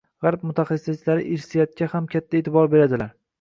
G‘arb mutaxassislari irsiyatga ham katta eʼtibor beradilar.